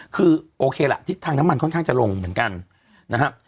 คือโอเคล่ะทิศทางน้ำมันค่อนข้างจะลงเหมือนกันนะครับ